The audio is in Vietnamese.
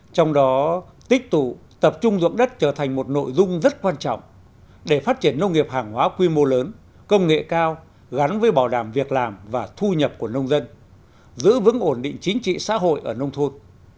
trong đó tích tụ tập trung dụng đất trở thành một nội dung rất quan trọng để phát triển nông nghiệp hàng hóa quy mô lớn công nghệ cao gắn với bảo đảm việc làm và thu nhập của nông dân giữ vững ổn định chính trị xã hội ở nông thôn